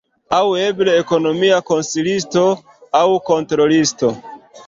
Aŭ eble ekonomia konsilisto aŭ kontrolisto.